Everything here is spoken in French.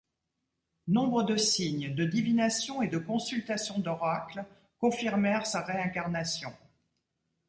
Nombres de signes, de divinations et de consultations d'oracles confirmèrent sa réincarnation.